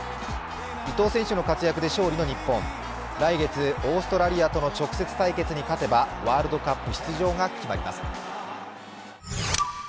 伊東選手の活躍で勝利の日本、来月オーストラリアとの直接対決に勝てばワールドカップ出場が決まります。